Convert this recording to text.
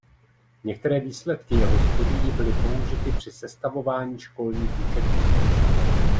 Některé výsledky jeho studií byly použity při sestavování školních učebnic.